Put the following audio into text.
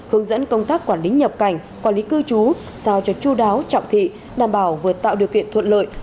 hướng dẫn công tác quản lý nhập cảnh quản lý cư trú sao cho chú đáo trọng thị đảm bảo vừa tạo điều kiện thuận lợi